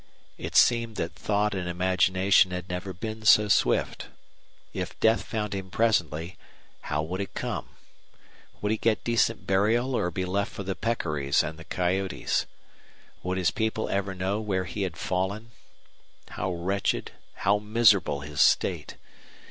It seemed that thought and imagination had never been so swift. If death found him presently, how would it come? Would he get decent burial or be left for the peccaries and the coyotes? Would his people ever know where he had fallen? How wretched, how miserable his state!